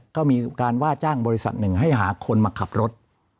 ก็มีการว่าจ้างบริษัทหนึ่งให้หาคนมาขับรถ